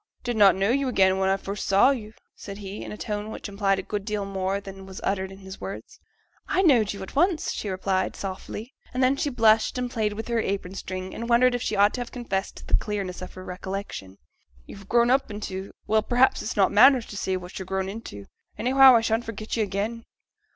'I did not know you again when I first saw you,' said he, in a tone which implied a good deal more than was uttered in words. 'I knowed yo' at once,' she replied, softly, and then she blushed and played with her apron string, and wondered if she ought to have confessed to the clearness of her recollection. 'You're grown up into well, perhaps it's not manners to say what you're grown into anyhow, I shan't forget yo' again.'